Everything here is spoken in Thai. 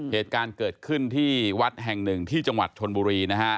เหตุการณ์เกิดขึ้นที่วัดแห่งหนึ่งที่จังหวัดชนบุรีนะฮะ